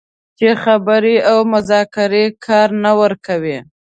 چې خبرې او مذاکرې کار نه ورکوي